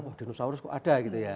oh dinosaurus kok ada gitu ya